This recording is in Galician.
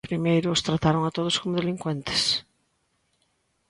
Primeiro os trataron a todos como delincuentes.